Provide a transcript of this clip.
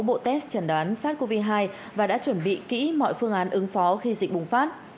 bộ test trần đoán sars cov hai và đã chuẩn bị kỹ mọi phương án ứng phó khi dịch bùng phát